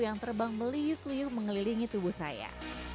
yang terbang meliuk liuk mengelilingi tubuh saya